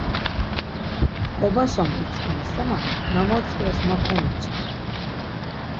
T̆ǩobaşa motzǩers ama na motzǩers ma komiçkin.